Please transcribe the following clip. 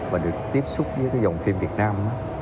và được tiếp xúc với dòng phim việt nam